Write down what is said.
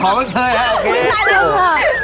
ขอบคุณครับ